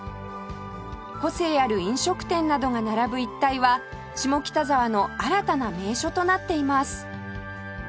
個性ある飲食店などが並ぶ一帯は下北沢の新たな名所となっています